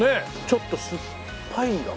ちょっと酸っぱいんだ。